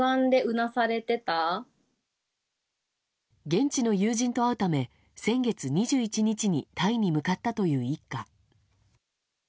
現地の友人と会うため先月２１日にタイに向かったという一家。